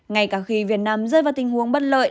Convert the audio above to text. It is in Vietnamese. ngay cả khi việt nam rơi vào tình huống bất lợi